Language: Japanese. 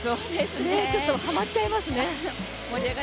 ちょっとハマっちゃいますね。